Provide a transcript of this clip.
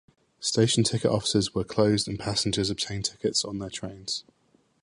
Station ticket offices were closed and passengers obtained tickets on the trains.